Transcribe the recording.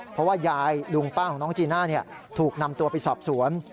เพราะว่ายายลุงป้าของน้องจีน่าถูกนำตัวไปสอบสวน